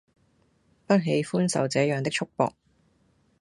不喜歡受這樣的束縛